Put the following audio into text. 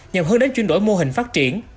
nhằm hơn đến chuyển đổi mô hình phát triển